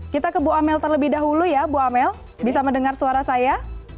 kita ke bu amel terlebih dahulu ya bu amel bisa mendengar suara saya